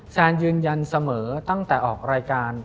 แซนยืนยันเสมอตั้งแต่ออกรายการ